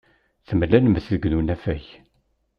Temlalemt deg unafag.